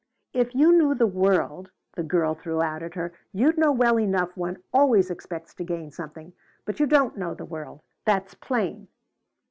"If you knew the world," the girl threw out at her, "you'd know well enough one always expects to gain something! But you don't know the world that's plain."